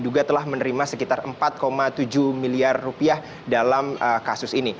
juga telah menerima sekitar empat tujuh miliar rupiah dalam kasus ini